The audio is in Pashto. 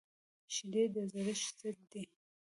شیدې د زړښت ضد دي